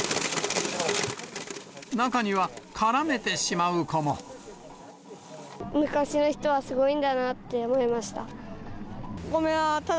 中には、昔の人はすごいんだなって思いました。